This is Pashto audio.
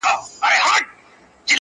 پر یوه ګور به ژوند وي د پسونو، شرمښانو!!